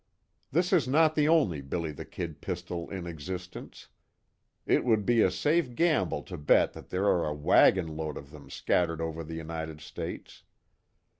This is not the only "Billy the Kid" pistol in existence. It would be a safe gamble to bet that there are a wagon load of them scattered over the United States.